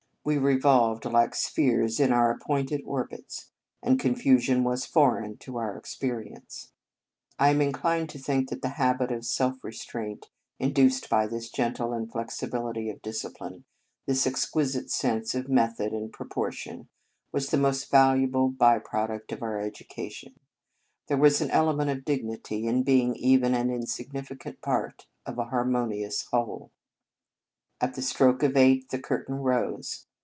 We revolved like spheres in our appointed orbits, and confusion was foreign to our experience. I am 59 In Our Convent Days inclined to think that the habit of self restraint induced by this gentle in flexibility of discipline, this exquisite sense of method and proportion, was the most valuable by product of our education. There was an element of dignity in being even an insignificant part of a harmonious whole. At the stroke of eight the cur tain rose.